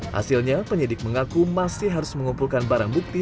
hasilnya penyidik mengaku masih harus mengumpulkan barang bukti